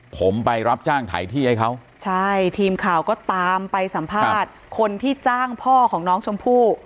ผมไปรับจ้างถ่ายที่ให้เขาใช่ทีมข่าวก็ตามไปสัมภาษณ์คนที่จ้างพ่อของน้องชมพู่